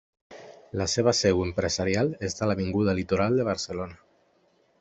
La seva seu empresarial està a l'avinguda litoral de Barcelona.